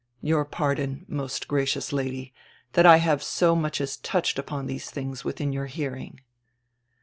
Your pardon, most gracious Lady, diat I have so much as touched upon tiiese tilings within your hearing."